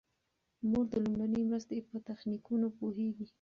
مور د لومړنۍ مرستې په تخنیکونو پوهیږي.